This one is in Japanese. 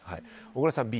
小倉さん、Ｂ。